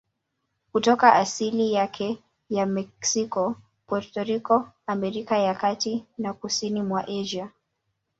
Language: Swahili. Kutoka asili yake ya Meksiko, Puerto Rico, Amerika ya Kati na kusini mwa Asia.